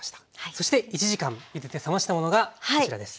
そして１時間ゆでて冷ましたものがこちらです。